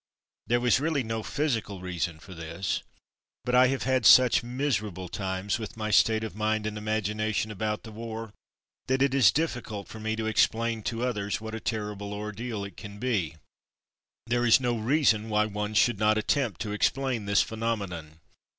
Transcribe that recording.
There was really no physical reason for this, but I have had such miserable times with my state of mind and imagination about the war that it is difficult for me to explain to others Evacuated to Base 135 what a terrible ordeal it can be. There is no reason why one should not attempt to explain this phenomenon.